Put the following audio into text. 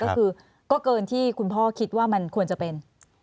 ก็คือก็เกินที่คุณพ่อคิดว่ามันควรจะเป็น